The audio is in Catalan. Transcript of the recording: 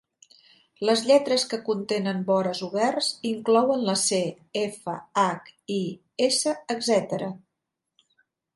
Les lletres que contenen vores oberts inclouen la c, f, h, i, s, etc.